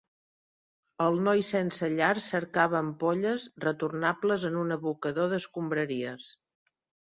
El noi sensellar cercava ampolles retornables en un abocador d'escombraries.